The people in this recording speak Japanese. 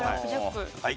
はい。